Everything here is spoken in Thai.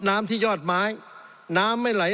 สงบจนจะตายหมดแล้วครับ